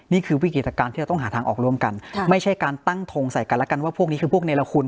วิกฤตการณ์ที่เราต้องหาทางออกร่วมกันไม่ใช่การตั้งทงใส่กันแล้วกันว่าพวกนี้คือพวกเนรคุณ